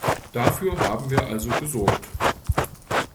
Dafür haben wir also gesorgt.